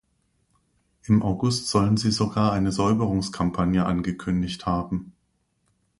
Im August sollen sie sogar eine Säuberungskampagne angekündigt haben.